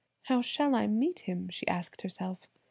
"How shall I meet him?" she asked herself.